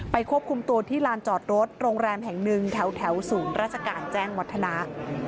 ควบคุมตัวที่ลานจอดรถโรงแรมแห่งหนึ่งแถวศูนย์ราชการแจ้งวัฒนะ